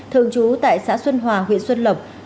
thường trú tại xã xuân hòa huyện xuân lộc